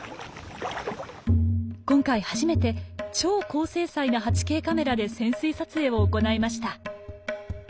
今回初めて超高精細な８Ｋカメラで潜水撮影を行いました。